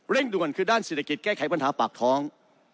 เร่งด่วนคือด้านศิลธคิดแก้ไขปัญหาปากท้อง